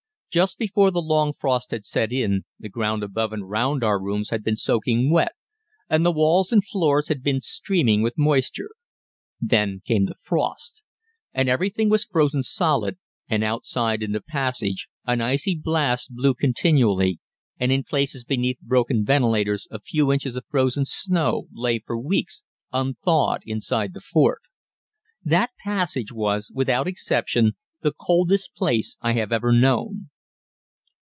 Just before the long frost had set in, the ground above and round our rooms had been soaking wet, and the walls and floors had been streaming with moisture. Then came the frost, and everything was frozen solid, and outside in the passage an icy blast blew continually, and in places beneath broken ventilators a few inches of frozen snow lay for weeks unthawed inside the fort. That passage was, without exception, the coldest place I have ever known.